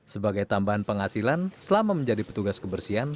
sebagai tambahan penghasilan selama menjadi petugas kebersihan